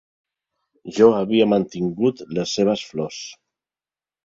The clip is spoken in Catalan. Jo havia mantingut les seves flors.